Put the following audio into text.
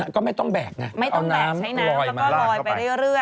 ก็ไม่ต้องแบกเอาน้ำลอยมาลากเข้าไป